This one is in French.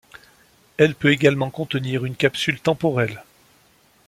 Elle peut également contenir une capsule temporelle.